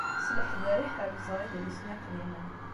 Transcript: S leḥder i ḥerrzeɣ idlisen iqdimen.